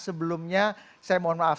sebelumnya saya mohon maaf